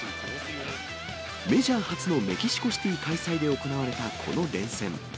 メジャー初のメキシコシティ開催で行われたこの連戦。